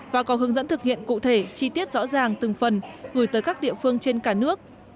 và có hướng dẫn thực hiện cụ thể chi tiết rõ ràng từng phần gửi tới các địa phương trên cả nước